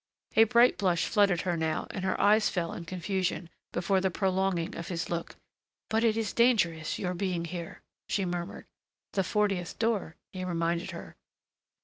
A bright blush flooded her now and her eyes fell in confusion, before the prolonging of his look. "But it is dangerous your being here," she murmured. "The fortieth door," he reminded her.